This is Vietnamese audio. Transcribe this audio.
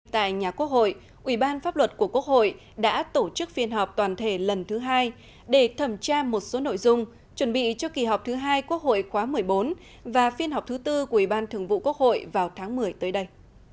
tại nhà quốc hội ủy ban pháp luật của quốc hội đã tổ chức phiên họp toàn thể lần thứ hai để thẩm tra một số nội dung chuẩn bị cho kỳ họp thứ hai quốc hội khóa một mươi bốn và phiên họp thứ tư của ủy ban thường vụ quốc hội vào tháng một mươi tới đây